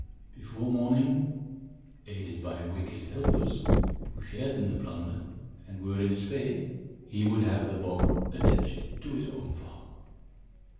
Before morning, aided by wicked helpers, who shared in the plunder, and were in his pay, he would have the bog attached to his own farm.